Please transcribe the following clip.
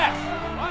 おい！